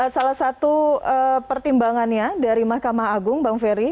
salah satu pertimbangannya dari mahkamah agung bang ferry